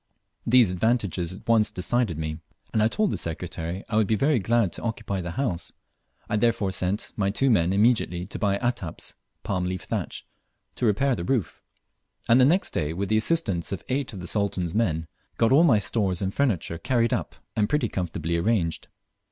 These advantages at once decided me, and I told the Secretary I would be very glad to occupy the house. I therefore sent my two men immediately to buy "ataps" (palm leaf thatch) to repair the roof, and the next day, with the assistance of eight of the Sultan's men, got all my stores and furniture carried up and pretty comfortably arranged.